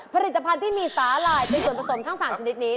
ผลิตภัณฑ์ที่มีสาหร่ายเป็นส่วนผสมทั้ง๓ชนิดนี้